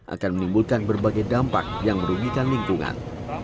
akan menimbulkan berbagai dampak yang merugikan lingkungan